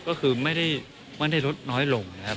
ก็คือไม่ได้ลดน้อยลงนะครับ